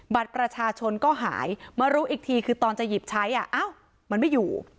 บัตรประชาชนก็หายมารู้อีกทีคือตอนจะหยิบใช้มันไม่อยู่